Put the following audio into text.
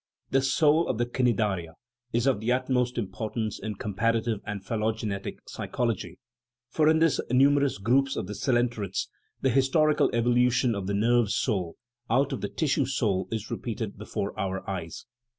The soul of the cnidaria is of the utmost importance in comparative and phylogenetic psychology ; for in this numerous group of the ccelenterates the historical evo lution of the nerve soul out of the tissue soul is repeated before our eyes.